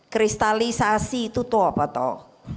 kristalisasi itu tuh apa toh